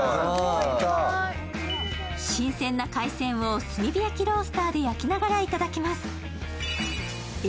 新鮮な海鮮を炭火焼きロースターで焼きながら頂きます。